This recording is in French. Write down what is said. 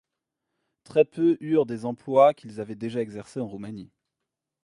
Très peu eurent des emplois qu'ils avaient déjà exercés en Roumanie.